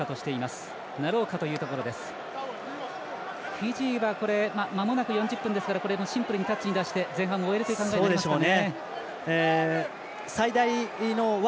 フィジーはまもなく４０分ですからシンプルにタッチに出して前半を終えるという考えですね。